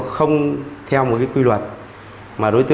không theo quy luật